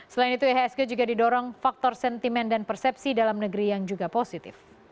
selain itu ihsg juga didorong faktor sentimen dan persepsi dalam negeri yang juga positif